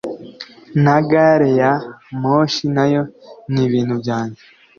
Na gare-ya-moshi nayo nibintu byanjye